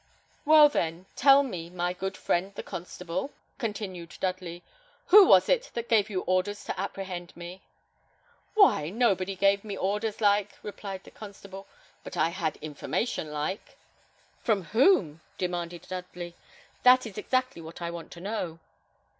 "Well, then, tell me, my good friend the constable," continued Dudley, "who was it that gave you orders to apprehend me?" "Why, nobody gave me orders like," replied the constable; "but I had information like." "From whom?" demanded Dudley. "That is exactly what I want to know."